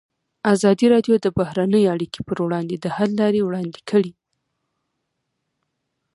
ازادي راډیو د بهرنۍ اړیکې پر وړاندې د حل لارې وړاندې کړي.